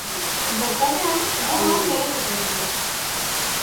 Bat-batean, gaua garrasiz josi zen.